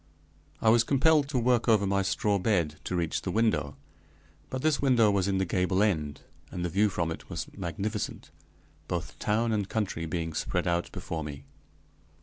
I was compelled to work over my straw bed to reach the window, but this window was in the gable end, and the view from it was magnificent, both town and country being spread out before me.